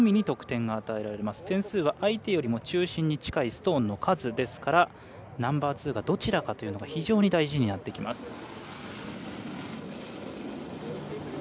得点は相手よりも中心に近いストーンの数ですからナンバーツーがどちらかというのが非常に大事になってきます。